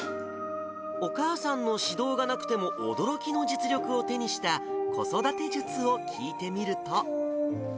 お母さんの指導がなくても驚きの実力を手にした子育て術を聞いてみると。